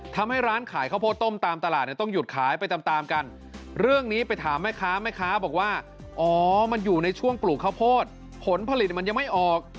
ทำให้ร้านขายข้าวโพดต้มตามตลาดเนี่ยต้องหยุดขายไปตามตามกันเรื่องนี้ไปถามแม่ค้าแม่ค้าบอกว่าอ๋อมันอยู่ในช่วงปลูกข้าวโพดผลผลิตมันยังไม่ออก